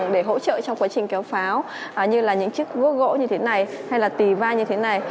để hỗ trợ trong quá trình kéo pháo như là những chiếc gốc gỗ như thế này hay là tì vai như thế này